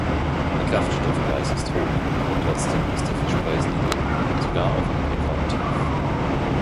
Der Kraftstoffpreis ist hoch, trotzdem ist der Fischpreis niedrig, sogar auf einem Rekordtief.